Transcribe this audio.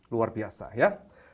luar biasa ya